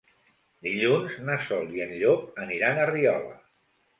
Dilluns na Sol i en Llop aniran a Riola.